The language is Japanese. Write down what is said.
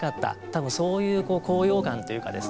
多分そういう高揚感というかですね